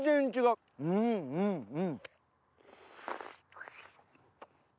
うんうん！